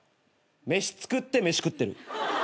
飯作って飯食ってる。